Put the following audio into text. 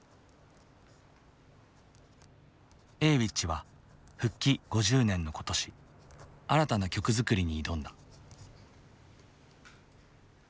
Ａｗｉｃｈは復帰５０年の今年新たな曲作りに挑んだ。